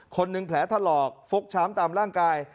คนหนึ่งแผลทะลอกฟลกช้ำตามร่างกาย